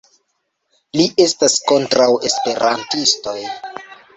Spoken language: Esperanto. Li estas kontraŭ esperantistoj